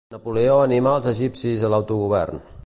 Napoleó animà els egipcis a l'autogovern.